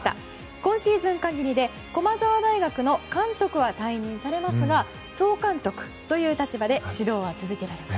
今シーズン限りで駒澤大学の監督は退任されますが総監督という立場で指導は続けられます。